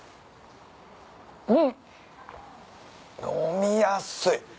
飲みやすい。